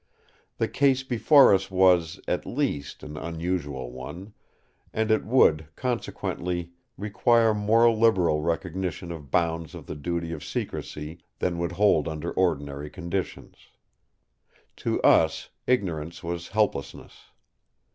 The case before us was, at least, an unusual one; and it would, consequently, require more liberal recognition of bounds of the duty of secrecy than would hold under ordinary conditions. To us, ignorance was helplessness.